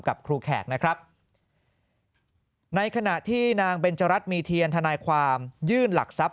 กับครูแขกนะครับในขณะที่นางเบนจรัสมีเทียนทนายความยื่นหลักทรัพย